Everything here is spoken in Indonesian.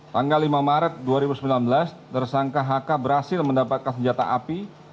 tanggal lima maret dua ribu sembilan belas tersangka hk berhasil mendapatkan senjata api